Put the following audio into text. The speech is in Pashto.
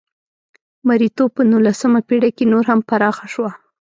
مریتوب په نولسمه پېړۍ کې نور هم پراخه شوه.